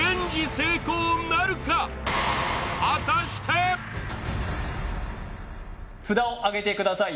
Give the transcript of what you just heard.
成功なるか札をあげてください